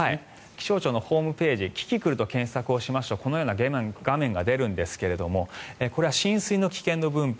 気象庁のホームページキキクルと検索しますとこのような画面が出るんですがこれは浸水の危険度分布